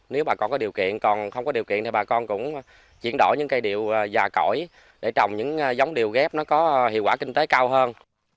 nếu bà con có điều kiện còn không có điều kiện thì bà con cũng chuyển đổi những cây điệu già cỗi để trồng những giống điều ghép nó có hiệu quả kinh tế cao hơn